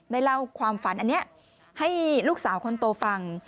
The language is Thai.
เล่าความฝันอันนี้ให้ลูกสาวคนโตฟัง